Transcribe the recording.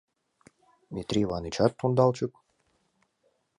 Митрий Иванычат — ондалчык.